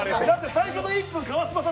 最初の１分、川島さん